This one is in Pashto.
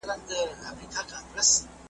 چې جوړه یې